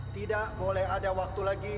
tidak boleh ada waktu lagi